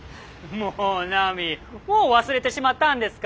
もう忘れてしまったんですか。